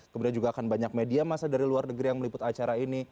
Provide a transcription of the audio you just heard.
kemudian juga akan banyak media masa dari luar negeri yang meliput acara ini